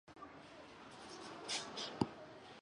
此外担任中共第十二届中央候补委员。